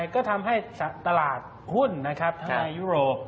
ก็ทำให้ตลาดหุ้นทำให้ยุโรป